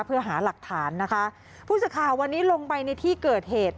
เพื่อหาหลักฐานนะคะผู้สื่อข่าววันนี้ลงไปในที่เกิดเหตุ